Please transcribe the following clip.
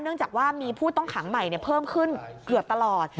จากว่ามีผู้ต้องขังใหม่เพิ่มขึ้นเกือบตลอด